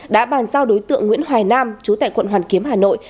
đã bàn giao đối tượng nguyễn hoài nam chú tại quận hoàn kiếm hà nội